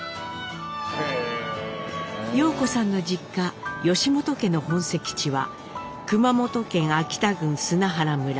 様子さんの実家本家の本籍地は熊本県飽田郡砂原村。